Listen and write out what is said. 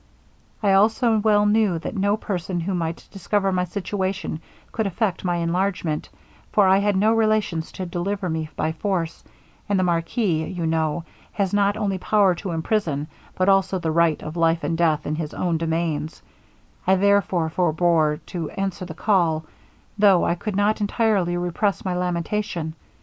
I also well knew that no person who might discover my situation could effect my enlargement, for I had no relations to deliver me by force; and the marquis, you know, has not only power to imprison, but also the right of life and death in his own domains; I, therefore, forbore to answer the call, though I could not entirely repress my lamentation.